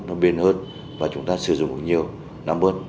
nó biên hơn và chúng ta sử dụng cũng nhiều làm hơn